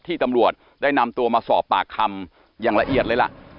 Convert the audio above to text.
ตำรวจได้นำตัวมาสอบปากคำอย่างละเอียดเลยล่ะ